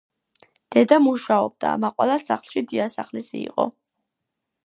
დედა მუშაობდა, მაყვალა სახლში დიასახლისი იყო.